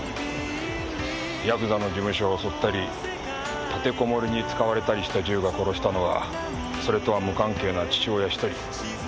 やくざの事務所を襲ったり立てこもりに使われたりした銃が殺したのはそれとは無関係な父親一人。